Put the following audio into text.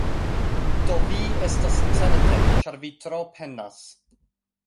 Do, vi estas certe ĉar vi tro penas